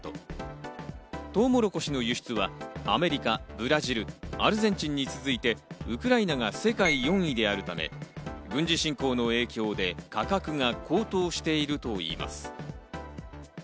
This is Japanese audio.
トウモロコシの輸出はアメリカ、ブラジル、アルゼンチンに続いてウクライナが世界４位であるため、軍事侵攻の影響で価格が高騰しているといいます。